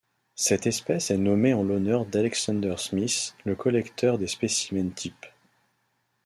Cette espèce est nommée en l'honneur d'Alexander Smith, le collecteur des spécimens types.